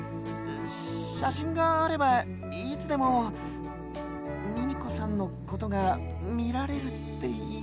しゃしんがあればいつでもミミコさんのことがみられるっていうか。